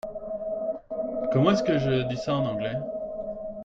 Comment est-ce que je dis ça en anglais ?